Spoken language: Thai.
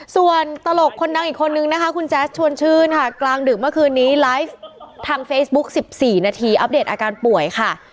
ส่วนตลกคนดังอีกคนนึงนะคะคุณแจ๊สชวนชื่นค่ะกลางดึกเมื่อคืนนี้ไลฟ์ทางเฟซบุ๊ก๑๔นาทีอัปเดตอาการป่วยค่ะ